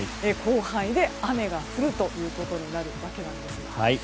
広範囲で雨が降るということになるわけなんです。